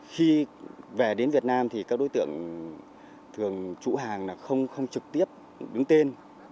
khi về đến việt nam thì các đối tượng thường chủ hàng là không trực tiếp đứng tên